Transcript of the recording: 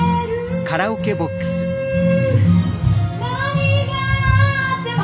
「何があっても」